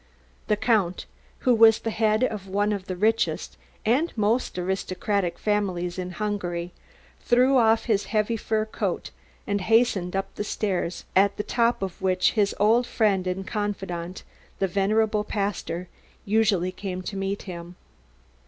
The Count, who was the head of one of the richest and most aristocratic families in Hungary, threw off his heavy fur coat and hastened up the stairs at the top of which his old friend and confidant, the venerable pastor, usually came to meet him.